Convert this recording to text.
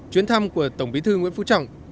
chuyến thăm của tổng bí thư nguyễn phú trọng